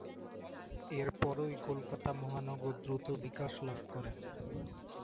এরপরই কলকাতা মহানগর দ্রুত বিকাশ লাভ করে।